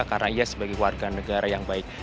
karena ia sebagai warga negara yang baik